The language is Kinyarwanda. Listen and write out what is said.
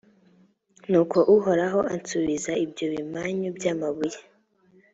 nuko uhoraho ansubiza ibyo bimanyu by’amabuye.